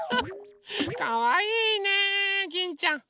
かわいいねギンちゃん。